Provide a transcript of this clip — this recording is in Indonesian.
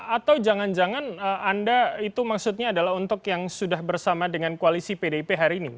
atau jangan jangan anda itu maksudnya adalah untuk yang sudah bersama dengan koalisi pdip hari ini